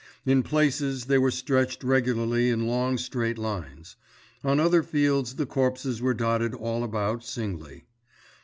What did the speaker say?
In places they were stretched regularly in long straight lines; on other fields the corpses were dotted all about singly.